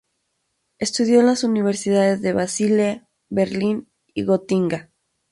Estudió en las universidades de Basilea, Berlín y Gotinga.